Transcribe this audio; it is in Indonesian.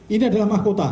ini adalah mahkota